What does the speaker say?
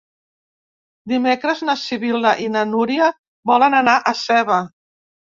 Dimecres na Sibil·la i na Núria volen anar a Seva.